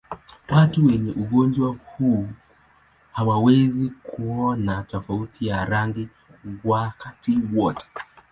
Watu wenye ugonjwa huu hawawezi kuona tofauti ya rangi wakati wote.